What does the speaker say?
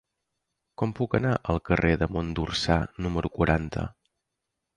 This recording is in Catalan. Com puc anar al carrer de Mont d'Orsà número quaranta?